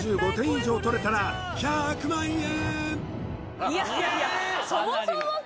以上取れたら１００万円！